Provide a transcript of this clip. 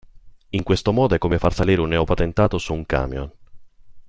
In questo modo è come far salire un neopatentato su un camion.